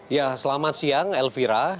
ya selamat siang elvira